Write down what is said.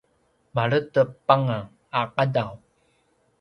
maledep anga a qadaw